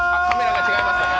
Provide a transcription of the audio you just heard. カメラが違います。